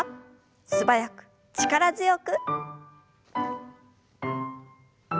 素早く力強く。